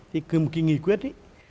thì một kỳ nghị quyết